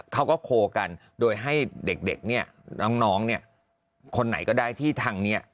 เขาก็โคกันโดยให้เด็กน้องคนไหนก็ได้ที่ทางนี้